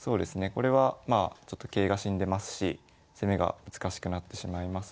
これはまあ桂が死んでますし攻めが難しくなってしまいますので。